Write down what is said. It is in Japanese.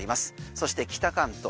そして北関東。